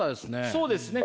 そうですね。